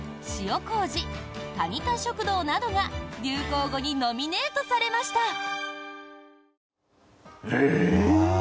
「塩こうじ」「タニタ食堂」などが流行語にノミネートされました。